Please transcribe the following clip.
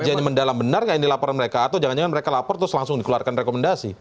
kajiannya mendalam benar yang dilaporin mereka atau jangan jangan mereka lapor terus langsung dikeluarkan rekomendasi